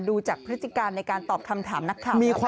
ดูจากพฤติการในการตอบคำถามนักข่าว